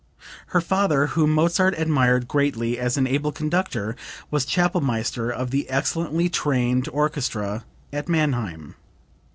Her father, whom Mozart admired greatly as an able conductor, was Chapelmaster of the excellently trained orchestra at Mannheim.